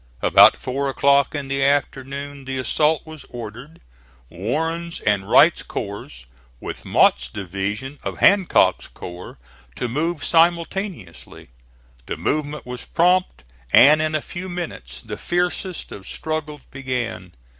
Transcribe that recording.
About four o'clock in the afternoon the assault was ordered, Warren's and Wright's corps, with Mott's division of Hancock's corps, to move simultaneously. The movement was prompt, and in a few minutes the fiercest of struggles began.